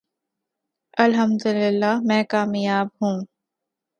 الحمدللہ میں کامیاب ہوں۔